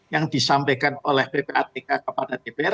yang disampaikan oleh ppatk kepada dpr